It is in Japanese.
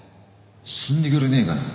死んでくれねえかな。